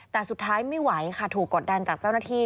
แต่สุดท้ายไม่ไหวค่ะถูกกดดันจากเจ้าหน้าที่